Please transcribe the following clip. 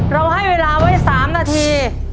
เราให้เวลาไว้๓นาที